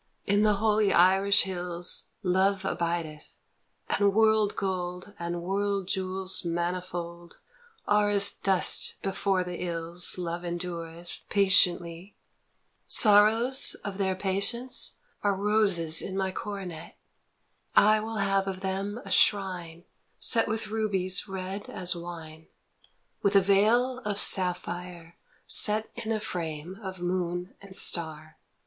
In the holy Irish hills Love abideth, and world gold And world jewels manifold Are as dust before the ills Love endureth patiently. B 1 8 OUR LADY OF THE IRISH HILLS " Sorrows of their patience are Roses in my coronet ; I will have of them a shrine Set with rubies red as wine, With a veil of sapphire, set In a frame of moon and star.